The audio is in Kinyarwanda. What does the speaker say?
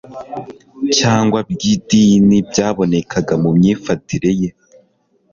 cyangwa bw'idini byabonekaga mu myifatire ye,